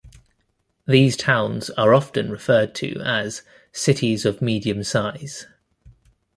These towns are often referred to as "cities of medium size".